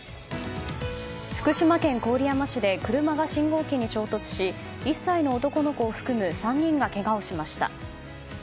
福島県郡山市で車が信号機に衝突し１歳の男の子を含む３人がけがをしました。